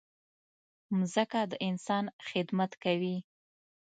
مځکه د انسان خدمت کوي.